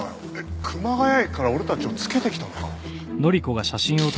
えっ熊谷駅から俺たちをつけてきたのか？